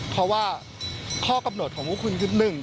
เพราะว่าข้อกำหนดของคุณคือ